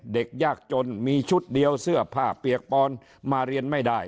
เด็กยากจนมีชุดเดียวเสื้อผ้าเปียกปอนมาเรียนไม่ได้